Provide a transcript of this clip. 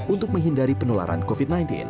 untuk menghindari penularan covid sembilan belas